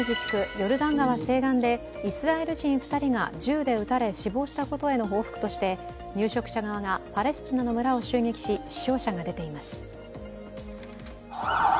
ヨルダン川西岸でイスラエル人２人が銃で撃たれ死亡したことへの報復として、入植者側がパレスチナの村を襲撃し、死傷者が出ています。